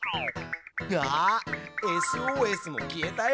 あっＳＯＳも消えたよ！